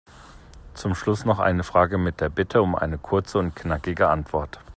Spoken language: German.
Zum Schluss noch eine Frage mit der Bitte um eine kurze und knackige Antwort.